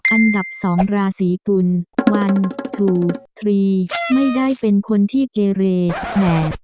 อันดับ๒ราศีตุล๑๒๓ไม่ได้เป็นคนที่เกรร์แหน่บ